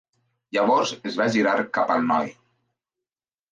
Llavors es va girar cap al noi.